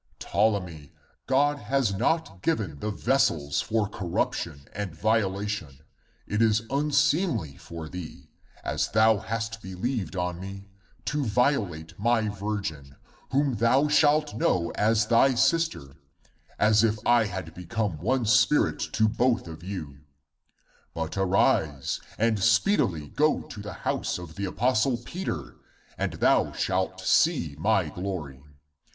137) 'Ptolemy, God has not given ACTS OF PETER 55 the vessels for corruption and violation; it is un seemly for thee, as thou hast believed on me, to violate my virgin, whom thou shalt know as thy sister, as if I had become one spirit to both of you — but arise, and speedily go to the house of the apostle Peter and thou shalt see my glory.